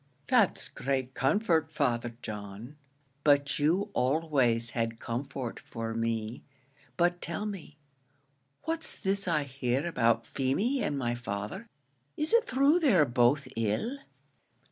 "That's great comfort, Father John; but you always had comfort for me. But tell me, what's this I hear about Feemy and my father; is it thrue they're both ill?"